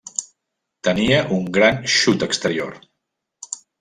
Tenia un gran xut exterior.